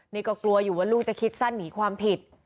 นี่ก็กลัวอยู่ว่าลูกจะคิดสั้นหนีความผิด